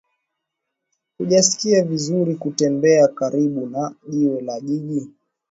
Hujisikia vizuri kutembea karibu na jiwe la jiji